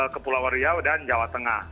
ke pulau riau dan jawa tengah